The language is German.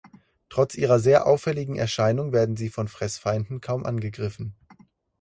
Trotz ihrer sehr auffälligen Erscheinung werden sie von Fressfeinden kaum angegriffen.